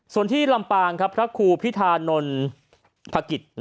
ส่วนที่ลำปางครับพระครูพิธานนท์พระกิจ